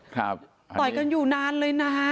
ต่อยกันอยู่นานเลยนะ